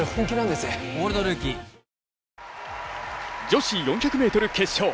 女子４００ｍ決勝。